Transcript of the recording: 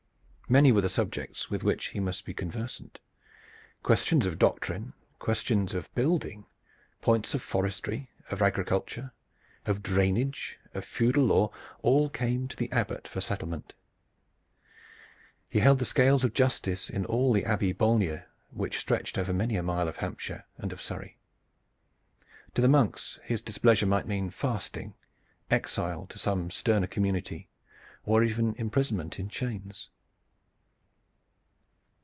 Many were the subjects with which he must be conversant. Questions of doctrine, questions of building, points of forestry, of agriculture, of drainage, of feudal law, all came to the Abbot for settlement. He held the scales of justice in all the Abbey banlieue which stretched over many a mile of Hampshire and of Surrey. To the monks his displeasure might mean fasting, exile to some sterner community, or even imprisonment in chains.